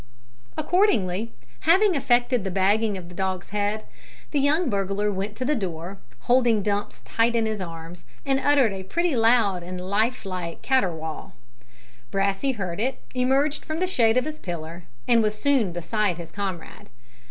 Accordingly, having effected the bagging of the dog's head, the young burglar went to the door, holding Dumps tight in his arms, and uttered a pretty loud and life like caterwaul. Brassey heard it, emerged from the shade of his pillar, and was soon beside his comrade.